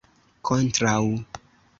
kontraŭ